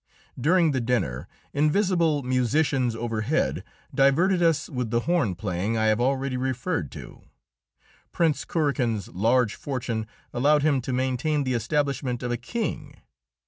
During the dinner invisible musicians overhead diverted us with the horn playing I have already referred to. Prince Kurakin's large fortune allowed him to maintain the establishment of a king.